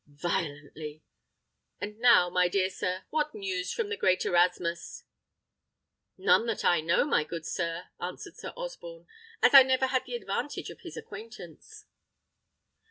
Violently. And now, my dear sir, what news from the great Erasmus?" "None that I know, my good sir," answered Sir Osborne, "as I never had the advantage of his acquaintance."